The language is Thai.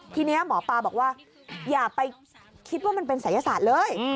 ทีนี้หมอปลาบอกว่าอย่าไปคิดว่ามันเป็นศัยศาสตร์เลย